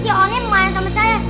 iya bu wright dia main sama saya ya kan